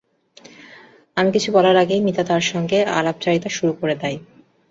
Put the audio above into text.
আমি কিছু বলার আগেই মিতা তার সঙ্গে আলাপচারিতা শুরু করে দেয়।